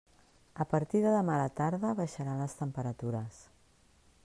A partir de demà a la tarda baixaran les temperatures.